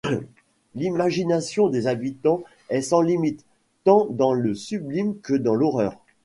L'imagination des habitants est sans limite, tant dans le sublime que dans l'horreur.